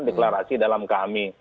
deklarasi dalam kami